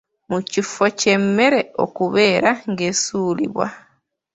Mu kifo ky’emmere okubeera ng’esuulibwa.